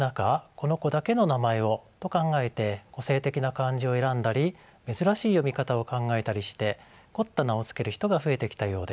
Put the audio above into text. この子だけの名前をと考えて個性的な漢字を選んだり珍しい読み方を考えたりして凝った名を付ける人が増えてきたようです。